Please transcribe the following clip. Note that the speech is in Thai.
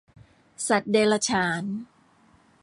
สัตว์เดรัจฉาน